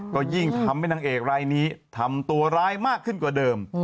ก็ยิ่งทำให้นางเอกรายนี้ทำตัวร้ายมากขึ้นกว่าเดิม